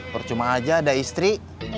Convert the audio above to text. bercuma aja ada istri